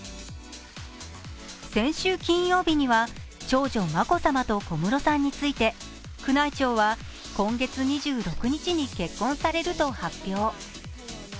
先週金曜日には、長女・眞子さまと小室さんについて宮内庁は今月２６日に結婚されると発表。